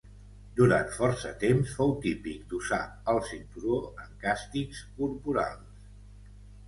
Durant força temps fou típic d'usar el cinturó en càstigs corporals.